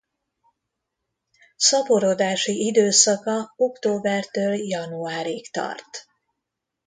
Szaporodási időszaka októbertől januárig tart.